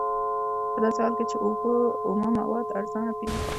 په داسې حال کې چې اومه مواد ارزانه پېري